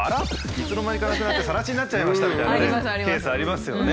いつの間にかなくなってさら地になっちゃいましたみたいなケースありますよね。